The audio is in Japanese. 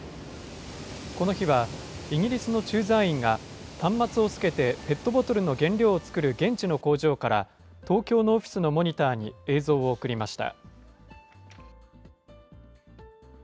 この日はイギリスの駐在員が端末をつけてペットボトルの原料を作る現地の工場から東京のオフィスのモニターに映像を送りました。